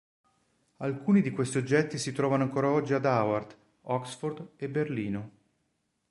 Alcuni di questi oggetti si trovano ancora oggi ad Harvard, Oxford e Berlino.